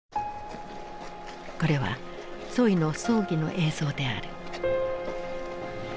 これはツォイの葬儀の映像である。